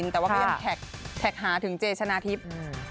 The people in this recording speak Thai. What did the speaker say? แต่ว่าก็ยังแท็กหาถึงเจชนะทิพย์